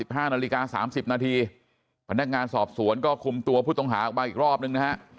ห้านาฬิกาสามสิบนาทีพนักงานสอบสวนก็คุมตัวผู้ต้องหาออกมาอีกรอบนึงนะฮะ